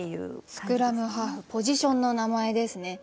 「スクラムハーフ」ポジションの名前ですね。